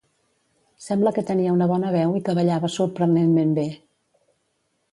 Sembla que tenia una bona veu i que ballava sorprenentment bé.